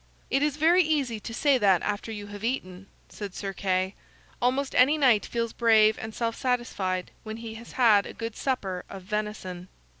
"It is very easy to say that after you have eaten," said Sir Kay. "Almost any knight feels brave and self satisfied when he has had a good supper of venison."